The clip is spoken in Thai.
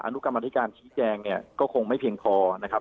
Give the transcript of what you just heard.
นุกรรมธิการชี้แจงเนี่ยก็คงไม่เพียงพอนะครับ